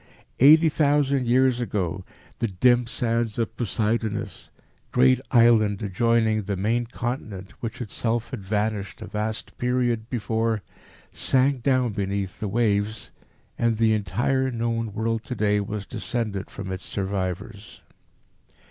Eighty thousand years ago the dim sands of Poseidonis, great island adjoining the main continent which itself had vanished a vast period before, sank down beneath the waves, and the entire known world to day was descended from its survivors.